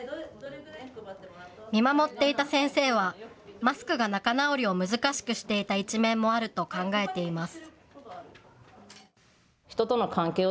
見守っていた先生はマスクが仲直りを難しくしていた一面もあると考えています。